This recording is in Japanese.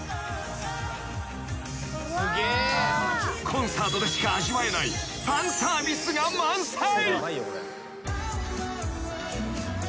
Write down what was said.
［コンサートでしか味わえないファンサービスが満載］